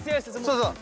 そうそう。